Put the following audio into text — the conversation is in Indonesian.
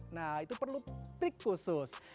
nah itu perlu trik khusus